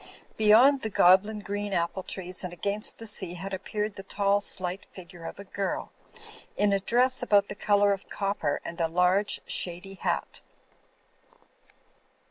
Beyond the goblin j[reen apple trees and against the sea had appeared the tall, slight figure of a girl, in a dress about the cplour of copper and a large shady hat.